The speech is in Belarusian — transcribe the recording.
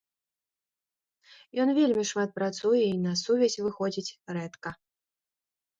Ён вельмі шмат працуе і на сувязь выходзіць рэдка.